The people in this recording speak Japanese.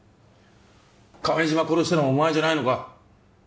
亀島殺したのもお前じゃないのか？